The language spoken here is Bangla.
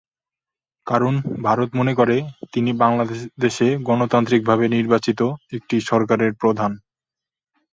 কারণ ভারত মনে করে, তিনি বাংলাদেশে গণতান্ত্রিকভাবে নির্বাচিত একটি সরকারের প্রধান।